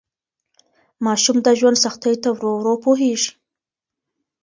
ماشوم د ژوند سختیو ته ورو ورو پوهیږي.